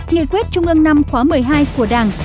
nghị quyết trung ương năm khóa một mươi hai của đảng